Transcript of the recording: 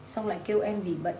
xong lại kêu em vì bận